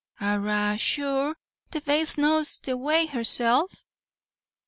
"Arrah sure, the baste knows the way herself."